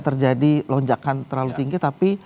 terjadi lonjakan terlalu tinggi tapi